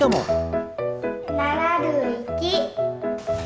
７１。